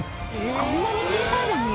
こんなに小さいのに？